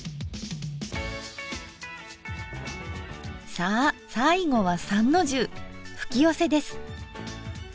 さあ最後は三の重吹きよせです。